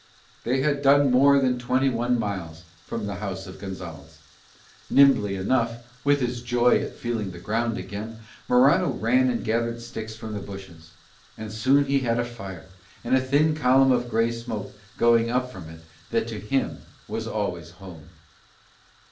They had done more than twenty one miles from the house of Gonzalez. Nimbly enough, in his joy at feeling the ground again, Morano ran and gathered sticks from the bushes. And soon he had a fire, and a thin column of grey smoke going up from it that to him was always home.